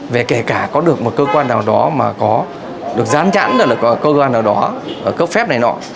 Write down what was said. về kể cả có được một cơ quan nào đó mà có được gián chẵn là có cơ quan nào đó cấp phép này nọ